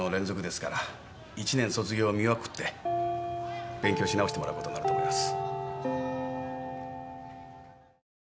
一年卒業を見送って勉強し直してもらうことになると思います。